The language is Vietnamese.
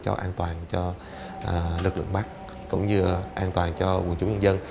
cho an toàn cho lực lượng bắc cũng như an toàn cho quân chủ nhân dân